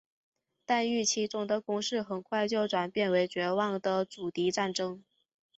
但预期中的攻势很快就转变成绝望的阻敌战斗。